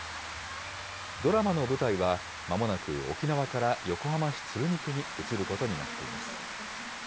ドラマの舞台は、まもなく沖縄から横浜市鶴見区に移ることになっています。